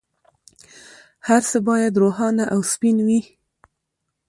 هر څه باید روښانه او سپین وي.